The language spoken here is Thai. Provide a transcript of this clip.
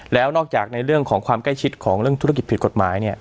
แล้วนอกจากในเรื่องของความใกล้ชิดของเรื่องธุรกิจผิดกฎหมาย